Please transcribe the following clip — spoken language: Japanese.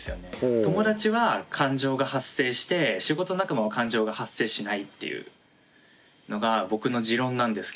友達は感情が発生して仕事仲間は感情が発生しないっていうのが僕の持論なんですけど。